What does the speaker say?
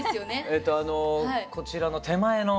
えっとあのこちらの手前の。